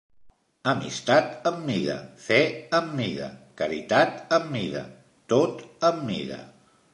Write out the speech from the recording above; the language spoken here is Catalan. Amistat am mida, fe am mida, caritat am mida, tot am mida